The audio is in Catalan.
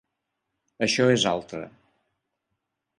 Això és altre.